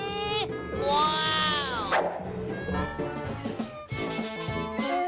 ว้าว